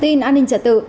tin an ninh trật tự